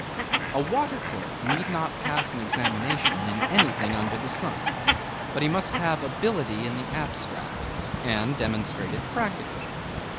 A water clerk need not pass an examination in anything under the sun, but he must have Ability in the abstract and demonstrate it practically.